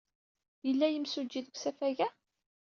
Yella yimsujji deg usafag-a?